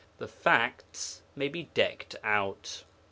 The facts may be decked out.